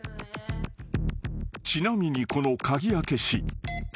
［ちなみにこの鍵開け師］